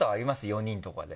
４人とかで。